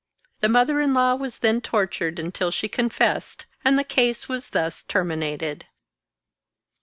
The mother in law was then tortured until she confessed, and the case was thus terminated.